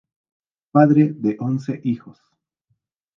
Padre de once hijos.